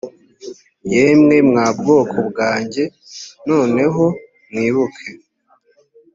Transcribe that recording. yemwe mwa bwoko bwanjye noneho mwibuke